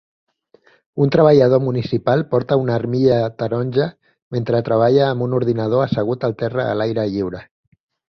Un treballador municipal porta una armilla taronja mentre treballa amb un ordinador assegut al terra a l'aire lliure